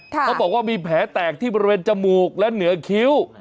เขาบอกว่ามีแผลแตกที่บริเวณจมูกและเหนือคิ้ว